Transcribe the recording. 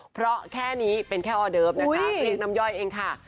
เพราะแค่นี้เป็นแค่ออเดิฟนะคะเรียกน้ำย่อยเองค่ะ